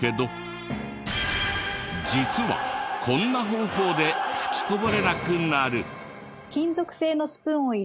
実はこんな方法で吹きこぼれなくなる。